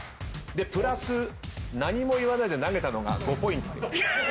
プラス何も言わないで投げたのが５ポイント。